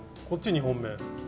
こっち２本め。